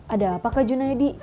ada apa kak junaidi